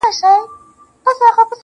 په لاسو کي د اغیار لکه پېلوزی،